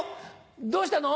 どうしたの？